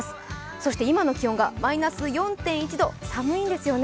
そして今の気温がマイナス４．１度寒いんですよね。